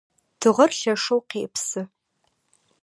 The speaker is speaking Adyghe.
Тыгъэр лъэшэу къепсы.